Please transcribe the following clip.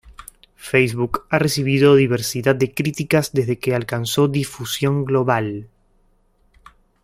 Facebook ha recibido diversidad de críticas desde que alcanzó difusión global.